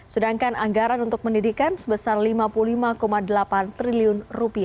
sedangkan anggaran untuk pendidikan sebesar rp lima puluh lima delapan triliun